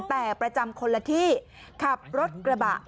แต่ประจำคนละที่ขับรถกระบะ